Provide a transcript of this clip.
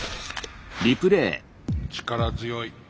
力強い。